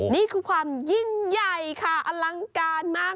นี่คือความยิ่งใหญ่ค่ะอลังการมาก